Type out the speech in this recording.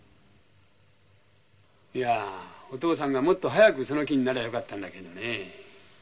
「いやーお父さんがもっと早くその気になりゃよかったんだけどね」